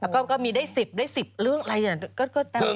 แล้วก็มีได้๑๐ได้๑๐เรื่องอะไรก็ตาม